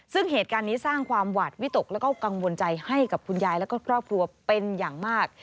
ซึ่งเหตุการณ์นี้สร้างความหวาดวิตกแล้วก็กังวลใจให้กับคุณยายแล้วก็ครอบครัวเป็นอย่างมาก